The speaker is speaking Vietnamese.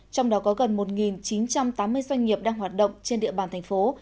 trong đó có gần một chín trăm tám mươi doanh nghiệp đang hoạt động trên địa bàn thành phố